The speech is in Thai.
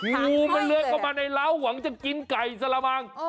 งูมันเลื้อยเข้ามาในร้าวหวังจะกินไก่สละมัง